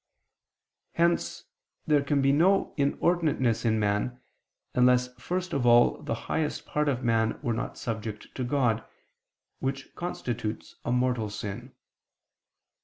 Hence there can be no inordinateness in man, unless first of all the highest part of man were not subject to God, which constitutes a mortal sin.